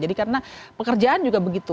jadi karena pekerjaan juga begitu